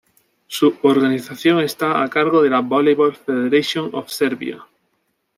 Su organización está a cargo de la Volleyball Federation of Serbia.